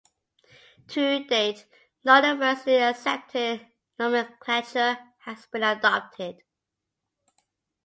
To date, no universally accepted nomenclature has been adopted.